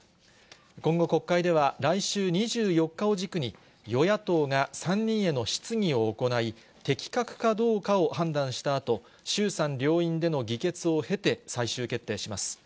今後、国会では来週２４日を軸に、与野党が３人への質疑を行い、適格かどうかを判断したあと、衆参両院での議決を経て、最終決定します。